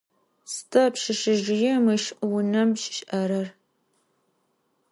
Sıda pşseşsezjıêm ışş vunem şiş'erer?